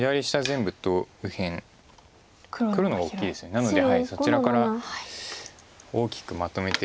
なのでそちらから大きくまとめて。